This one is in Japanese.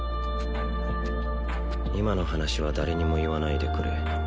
今の話は誰にも言わないでくれ